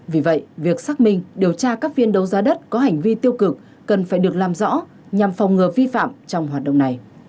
vì vậy việc xác minh điều tra các phiên đấu giá đất có hành vi tiêu cực cần phải được làm rõ nhằm phòng ngừa vi phạm trong hoạt động này